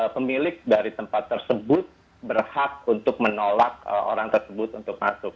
pemilik dari tempat tersebut berhak untuk menolak orang tersebut untuk masuk